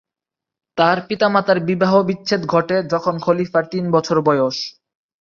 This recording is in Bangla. তার পিতা-মাতার বিবাহ বিচ্ছেদ ঘটে যখন খলিফার তিন বছর বয়স।